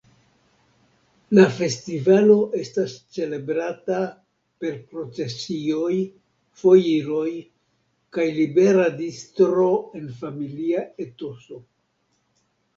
La festivalo estas celebrata per procesioj, foiroj kaj libera distro en familia etoso.